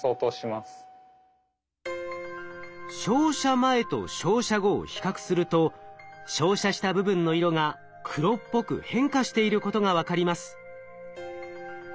照射前と照射後を比較すると照射した部分の色が黒っぽく変化していることが分かります。